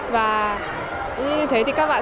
và như thế thì các bạn